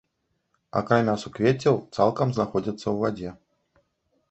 Акрамя суквеццяў цалкам знаходзяцца ў вадзе.